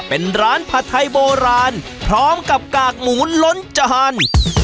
เป็นร้านผัดไทยโบราณพร้อมกับกากหมูล้นจาน